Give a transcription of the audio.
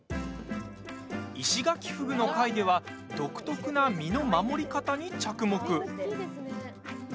イシガキフグの回では独特な身の守り方に着目。